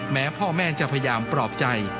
แม้พ่อแม่จะพยายามปลอบใจ